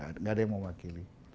tidak ada yang mewakili